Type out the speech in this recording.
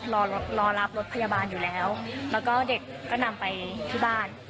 รอรอรับรถพยาบาลอยู่แล้วแล้วก็เด็กก็นำไปที่บ้าน